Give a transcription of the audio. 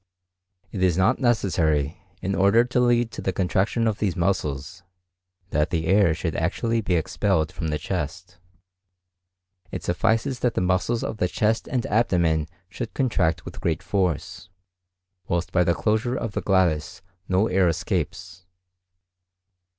It is not necessary, in order to lead to the contraction of these muscles, that air should actually be expelled from the chest; it suffices that the muscles of the chest and abdomen should contract with great force, whilst by the closure of the glottis no air escapes.